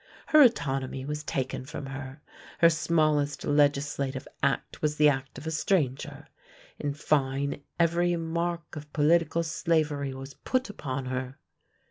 Her autonomy was taken from her; her smallest legislative act was the act of a stranger; in fine, every mark of political slavery was put upon her.